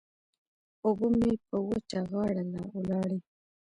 اوبه مې په وچه غاړه ولاړې.